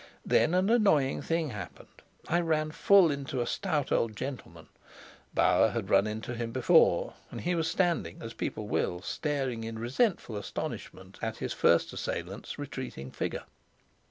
Then an annoying thing happened. I ran full into a stout old gentleman; Bauer had run into him before, and he was standing, as people will, staring in resentful astonishment at his first assailant's retreating figure.